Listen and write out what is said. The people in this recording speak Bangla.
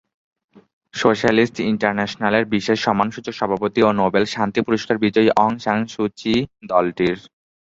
সোশ্যালিস্ট ইন্টারন্যাশনালের বিশেষ সম্মানসূচক সভাপতি ও নোবেল শান্তি পুরস্কার বিজয়ী অং সান সু চি দলটির মহাসচিব হিসেবে দায়িত্ব পালন করছেন।